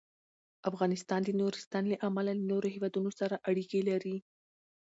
افغانستان د نورستان له امله له نورو هېوادونو سره اړیکې لري.